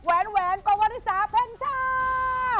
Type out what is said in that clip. แหวนประวัติศาสตร์แผ่นชาติ